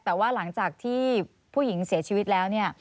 แต่ว่าหลังจากที่ผู้หญิงเสียชีวิตแล้วเนี่ย